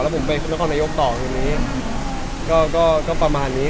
ผมเป็นคุณภูมิประมาณนี้